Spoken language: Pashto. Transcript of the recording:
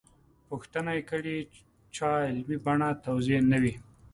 پوښتنه کړې چا علمي بڼه توضیح نه وي.